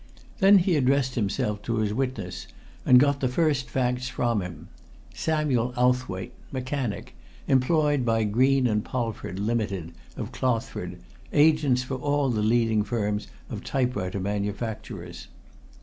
Then he addressed himself to his witness and got the first facts from him Samuel Owthwaite. Mechanic. Employed by Green & Polford, Limited, of Clothford, agents for all the leading firms of typewriter manufacturers.